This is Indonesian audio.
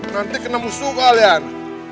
nanti kena musuh kalian